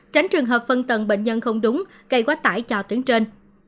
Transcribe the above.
tránh trường hợp phân tầng bệnh nhân không đúng gây quá tải cho tuyến trên